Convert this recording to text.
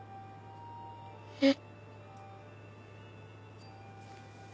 えっ。